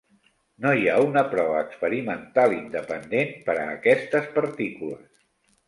No hi ha una prova experimental independent per a aquestes partícules.